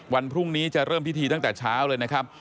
วันพรุ่งนี้จะเริ่มพิธีตั้งแต่เช้าเลยนะครับ